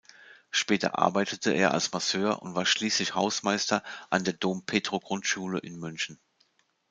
Später arbeitete er als Masseur und war schließlich Hausmeister an der Dom-Pedro-Grundschule in München.